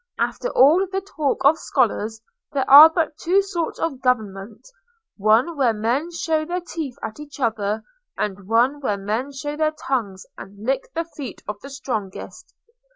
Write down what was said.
After all the talk of scholars, there are but two sorts of government: one where men show their teeth at each other, and one where men show their tongues and lick the feet of the strongest.